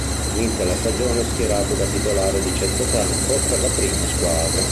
Inizia la stagione schierato da titolare di centrocampo per la prima squadra.